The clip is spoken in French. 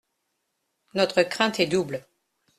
Notre crainte est double.